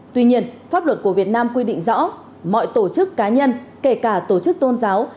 tuy nhiên pháp luật của việt nam quy định rõ mọi tổ chức cá nhân kể cả tổ chức tôn giáo